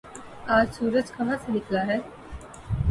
آج سورج کہاں سے نکلا ہے